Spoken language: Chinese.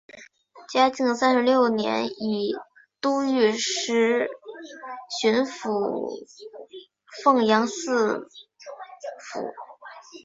嘉靖三十六年以都御史巡抚凤阳四府。